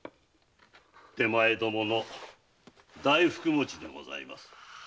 手前どもの大福もちでございます。